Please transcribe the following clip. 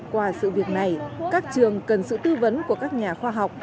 qua sự việc này các trường cần sự tư vấn của các nhà khoa học